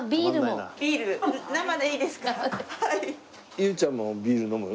優ちゃんもビール飲む？